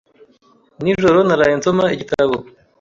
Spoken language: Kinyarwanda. Nijoro naraye nsoma igitabo.